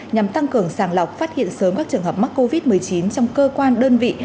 nhằm tăng cường sàng lọc phát hiện sớm các trường hợp mắc covid một mươi chín trong cơ quan đơn vị